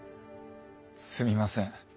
すみません。